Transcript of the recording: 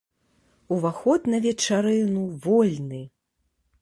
Уваход на вечарыну вольны!